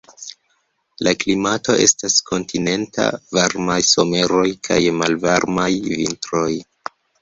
La klimato estas kontinenta: varmaj someroj kaj malvarmaj vintroj.